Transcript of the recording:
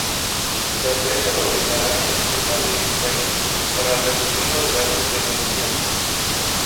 La empresa aprovechará el clima de ese país para reducir los gastos de energía.